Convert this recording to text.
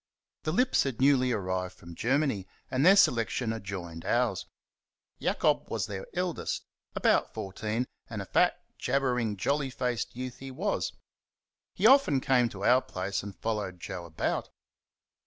The Lipps had newly arrived from Germany, and their selection adjoined ours. Jacob was their "eldest", about fourteen, and a fat, jabbering, jolly faced youth he was. He often came to our place and followed Joe about.